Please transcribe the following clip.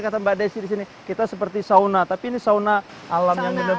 kata mbak desy disini kita seperti sauna tapi ini sauna tapi ini sauna tapi ini sauna tapi ini sauna